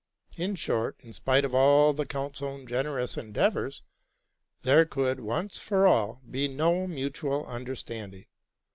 In short, in spite of all the count's own generous endeavors, there could, once for all, be no mutual understanding.